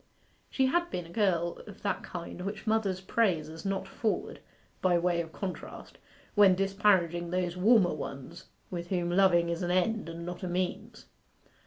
She had been a girl of that kind which mothers praise as not forward, by way of contrast, when disparaging those warmer ones with whom loving is an end and not a means.